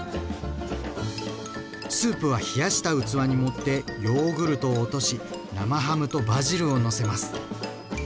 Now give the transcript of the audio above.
スープは冷やした器に盛ってヨーグルトを落とし生ハムとバジルをのせます。